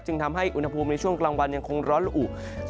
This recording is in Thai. ทำให้อุณหภูมิในช่วงกลางวันยังคงร้อนละอุ